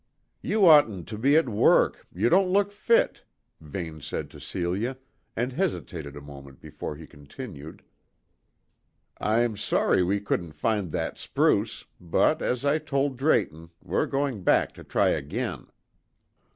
"You oughtn't to be at work; you don't look fit," Vane said to Celia, and hesitated a moment before he continued: "I'm sorry we couldn't find that spruce; but, as I told Drayton, we're going back to try again."